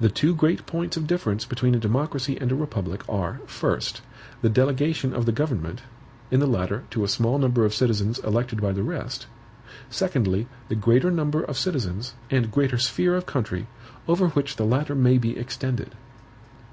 The two great points of difference between a democracy and a republic are: first, the delegation of the government, in the latter, to a small number of citizens elected by the rest; secondly, the greater number of citizens, and greater sphere of country, over which the latter may be extended.